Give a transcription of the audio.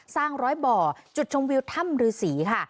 สร้างร้อยบ่อจุดชมวิวถ้ำรือศรีค่ะ